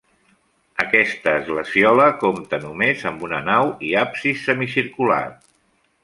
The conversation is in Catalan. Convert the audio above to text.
Aquesta esglesiola compta només amb una nau i absis semicircular.